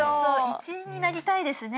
一員になりたいですね。